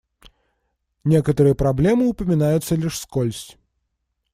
Некоторые проблемы упоминаются лишь вскользь.